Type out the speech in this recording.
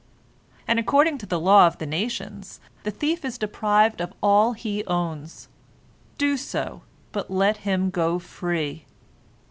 And according to the law of the nations, the thief is deprived of all he owns. Do so, but let him go free.